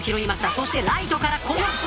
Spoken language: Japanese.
そしてライトから。